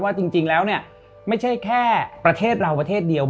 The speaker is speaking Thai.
จริงแล้วเนี่ยไม่ใช่แค่ประเทศเราประเทศเดียว